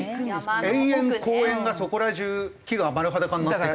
延々公園がそこら中木が丸裸になっていっちゃう。